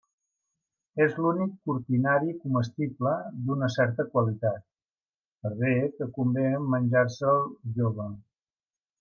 És l'únic cortinari comestible d'una certa qualitat, per bé que convé menjar-se'l jove.